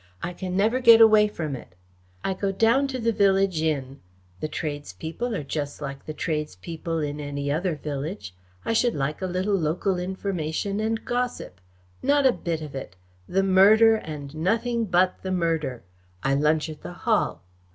I can never get away from it. I go down to the village inn. The tradespeople are just like the tradespeople in any other village. I should like a little local information and gossip. Not a bit of it. The murder, and nothing but the murder! I lunch at the Hall.